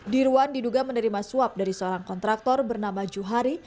dirwan diduga menerima suap dari seorang kontraktor bernama juhari